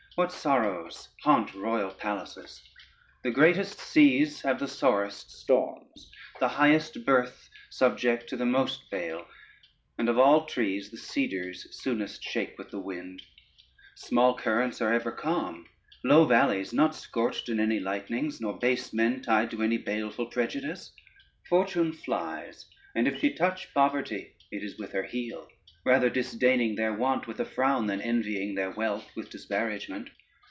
what sorrows haunt royal palaces! The greatest seas have the sorest storms, the highest birth subject to the most bale, and of all trees the cedars soonest shake with the wind: small currents are ever calm, low valleys not scorched in any lightnings, nor base men tied to any baleful prejudice. Fortune flies, and if she touch poverty it is with her heel, rather disdaining their want with a frown, than envying their wealth with disparagement.